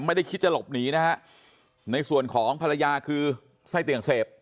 ไม่ได้คิดจะหลบหนีนะฮะในส่วนของภรรยาคือไส้เตียงเสพ